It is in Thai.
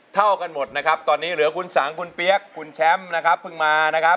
ทางหน้าใหม่ณเปล่า